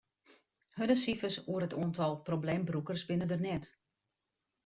Hurde sifers oer it oantal probleembrûkers binne der net.